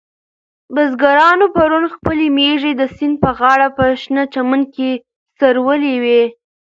بزګرانو پرون خپلې مېږې د سیند په غاړه په شنه چمن کې څرولې وې.